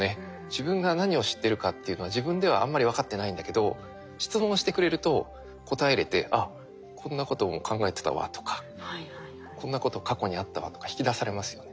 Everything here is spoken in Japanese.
自分が何を知ってるかっていうのは自分ではあんまり分かってないんだけど質問してくれると答えれて「あっこんなことも考えてたわ」とか「こんなこと過去にあったわ」とか引き出されますよね。